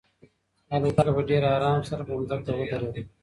الوتکه په ډېر ارام سره په ځمکه ودرېده.